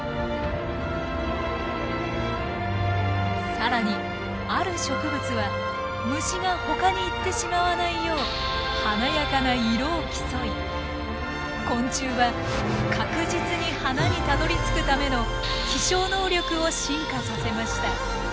更にある植物は虫がほかに行ってしまわないよう華やかな色を競い昆虫は確実に花にたどりつくための飛翔能力を進化させました。